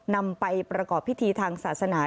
นำไปประกอบพิธีทางศาสนา